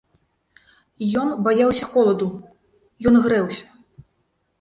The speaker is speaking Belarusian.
Ён баяўся холаду, ён грэўся.